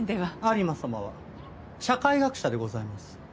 有馬様は社会学者でございます。